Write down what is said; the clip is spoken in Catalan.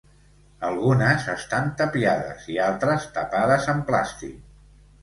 Algunes estan tapiades i altres tapades amb plàstic.